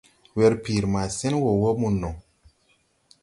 Werpiiri maa sen wɔɔ wɔɔ mo no.